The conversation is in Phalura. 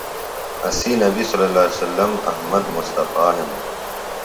اسی نبیﷺ احمد مصطفٰے ہنوۡ۔